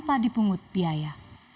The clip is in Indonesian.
dan tanpa dipungut biaya